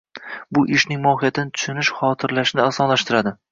Bir ishning mohiyatini tushunish xotirlashni osonlashtiradi.